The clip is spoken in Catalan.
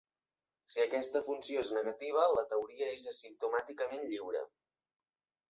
Si aquesta funció és negativa, la teoria és asimptòticament lliure.